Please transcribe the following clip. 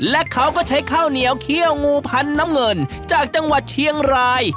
และเขาก็ใช้ข้าวเหนียวเขี้ยวงูพันน้ำเงินจากจังหวัดเชียงราย